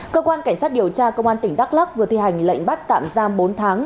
cơ quan cảnh sát điều tra công an tỉnh đắk lắc vừa thi hành lệnh bắt tạm giam bốn tháng